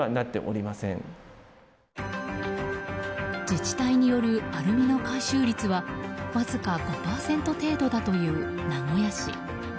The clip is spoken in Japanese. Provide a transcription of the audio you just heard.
自治体によるアルミの回収率はわずか５％程度だという名古屋市。